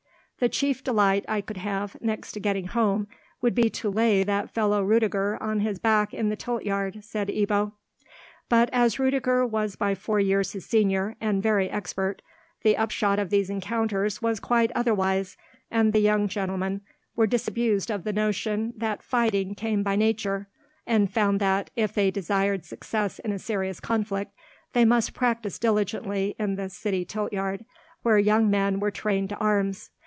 "The chief delight I could have, next to getting home, would be to lay that fellow Rudiger on his back in the tilt yard," said Ebbo. But, as Rudiger was by four years his senior, and very expert, the upshot of these encounters was quite otherwise, and the young gentlemen were disabused of the notion that fighting came by nature, and found that, if they desired success in a serious conflict, they must practise diligently in the city tilt yard, where young men were trained to arms.